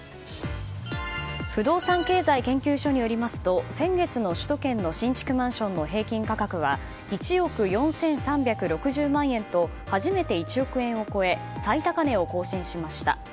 不動産経済研究所によりますと先月の首都圏の新築マンションの平均価格は１億４３６０万円と初めて１億円を超え最高値を更新しました。